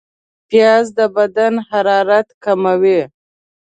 پیاز د بدن حرارت کموي